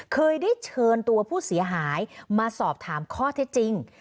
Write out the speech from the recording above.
เคยได้เชิญตัวผู้เสียหายมาสอบถามข้อเท็จจริง